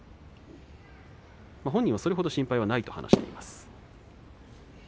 本人は、それほど心配はないと話しています。